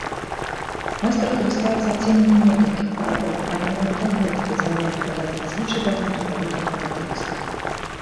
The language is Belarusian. Майстар карыстаецца адценнямі некалькіх фарбаў, але менавіта гэта дазваляе перадаць надзвычай багатую палітру характарыстык.